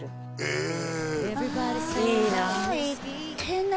へえ